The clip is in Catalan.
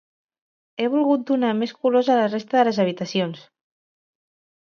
He volgut donar més colors a la resta de les habitacions.